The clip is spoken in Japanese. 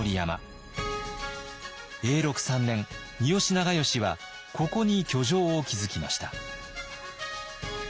永禄３年三好長慶はここに居城を築きました。